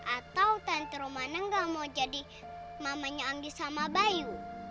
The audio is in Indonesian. atau tante romana gak mau jadi mamanya anggi sama bayu